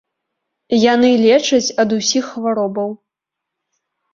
Яны лечаць ад усіх хваробаў!